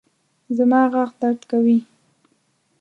زما غاښ درد کوي